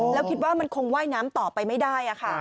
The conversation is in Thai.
แล้วคิดว่ามันคงว่ายน้ำต่อไปไม่ได้ค่ะ